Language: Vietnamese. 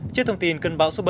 trước thông tin cơn bão số bảy